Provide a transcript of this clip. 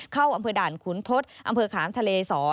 เข้าอำเภอด่านขุนทศอำเภอขามทะเลสอ